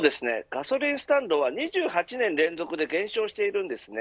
ガソリンスタンドは２８年連続で減少しているんですね。